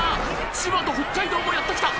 千葉と北海道もやって来た！